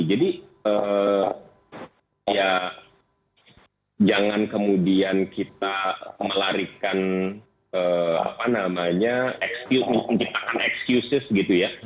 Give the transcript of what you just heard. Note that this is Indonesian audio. jadi ya jangan kemudian kita melarikan apa namanya excuses gitu ya